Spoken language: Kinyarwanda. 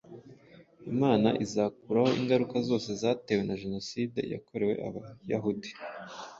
Imana izakuraho ingaruka zose zatewe na jenoside yakorewe Abayahudi,